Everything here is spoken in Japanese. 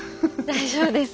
大丈夫です。